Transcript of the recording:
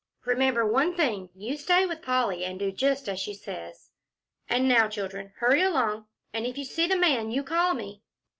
"Remember one thing. You stay with Polly, and do just as she says. And now, children, hurry along. And if you see the man, you call me."